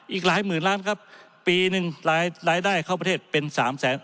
อีกหลายหมื่นล้านครับปีหนึ่งรายได้เข้าประเทศเป็นสามแสน